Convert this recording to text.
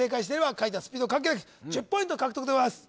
書いたスピード関係なく１０ポイント獲得でございます